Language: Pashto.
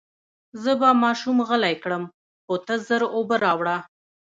زه به ماشوم غلی کړم، خو ته ژر اوبه راوړه.